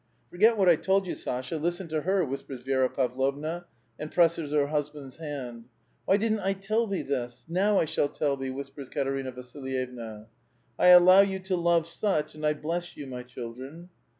("Forget what I told you, Sasha; listen to her," whispers Vi^ra Pavlovna, and presses her husband's hand, *' Why didn't I tell thee this? now I shall tell theie," whispers Kat erina Vasil3'evna.) " 1 allow you to love such, and I bless you, my children.